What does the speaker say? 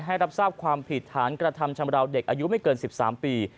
รับทราบความผิดฐานกระทำชำราวเด็กอายุไม่เกิน๑๓ปี